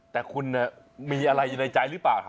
แต่คุณมีอะไรอยู่ในใจหรือเปล่า